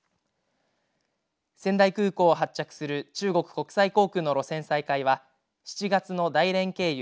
仙台空港を発着する中国国際空港の路線再開は７月の大連経由